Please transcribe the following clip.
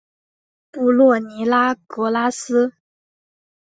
布洛尼拉格拉斯。